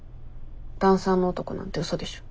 ダンサーの男なんて嘘でしょ。